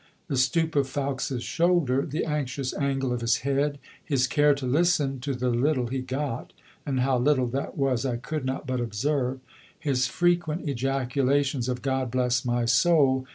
The stoop of Fowkes's shoulder, the anxious angle of his head, his care to listen to the little he got and how little that was I could not but observe his frequent ejaculations of "God bless my soul!"